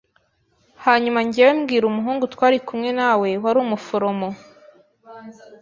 hanyuma njyewe mbwira umuhungu twari kumwe nawe wari umuforomo